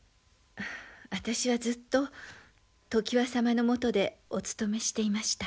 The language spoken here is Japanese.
私はずっと常磐様のもとでお勤めしていました。